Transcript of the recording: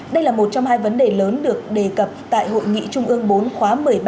đây là một trong hai vấn đề lớn được đề cập tại hội nghị trung ương bốn khóa một mươi ba